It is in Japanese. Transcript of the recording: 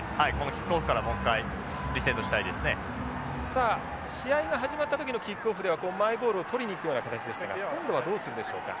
さあ試合が始まった時のキックオフではマイボールを捕りに行くような形でしたが今度はどうするでしょうか。